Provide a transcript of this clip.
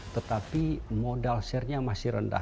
tetapi modal share nya masih rendah